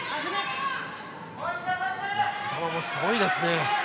児玉もすごいですね。